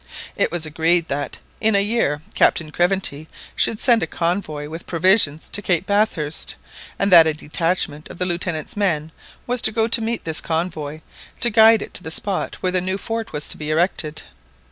It was agreed that in a year Captain Craventy should send a convoy with provisions to Cape Bathurst, and that a detachment of the Lieutenant's men was to go to meet this convoy, to guide it to the spot where the new fort was to be erected.